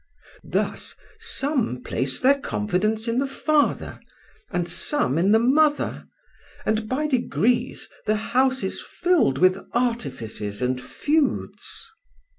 Thus, some place their confidence in the father and some in the mother, and by degrees the house is filled with artifices and feuds.